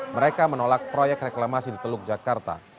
mereka menolak proyek reklamasi di teluk jakarta